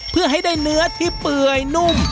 เพื่อให้ได้เนื้อที่เปื่อยนุ่ม